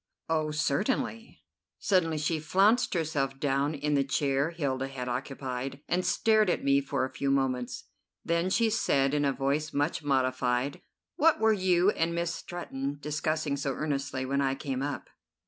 "Oh, certainly." Suddenly she flounced herself down in the chair Hilda had occupied, and stared at me for a few moments. Then she said in a voice much modified: "What were you and Miss Stretton discussing so earnestly when I came up?"